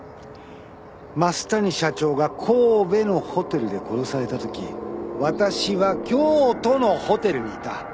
増谷社長が神戸のホテルで殺されたとき私は京都のホテルにいた。